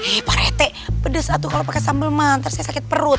eh pak rete pedes atuh kalau pakai sambal man ntar saya sakit perut